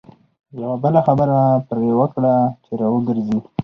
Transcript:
یوه بله خبره پر وکړه چې را وګرځي.